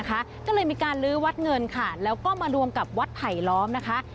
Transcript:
ก็เลยมีการลือวัดเงินแล้วก็มารวมกับวัดไผ่ล้อม